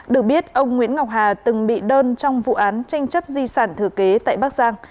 được biết ông nguyễn ngọc hà từng bị đơn trong vụ án tranh chấp di sản thừa kế tại bắc giang